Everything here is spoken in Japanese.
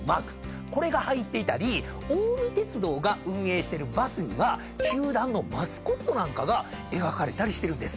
これが入っていたり近江鉄道が運営してるバスには球団のマスコットなんかが描かれたりしてるんです。